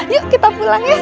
yuk kita pulang ya